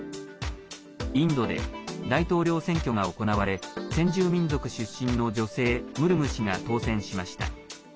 インドで大統領選挙が行われ先住民族出身の女性ムルム氏が当選しました。